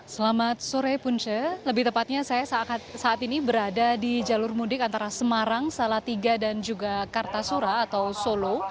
selamat sore punce lebih tepatnya saya saat ini berada di jalur mudik antara semarang salatiga dan juga kartasura atau solo